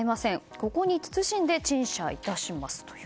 ここに謹んで陳謝いたします。